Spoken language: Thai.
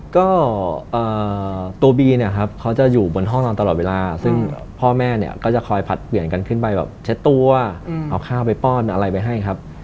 ก็ตัวบีเนี่ยครับเขาจะอยู่บนห้องนอนตลอดเวลาซึ่งพ่อแม่เนี่ยก็จะคอยผลัดเปลี่ยนกันขึ้นไปแบบเช็ดตัวเอาข้าวไปป้อนอะไรไปให้ครับ